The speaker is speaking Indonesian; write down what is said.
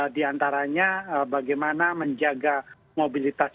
di antaranya bagaimana menjaga mobilitas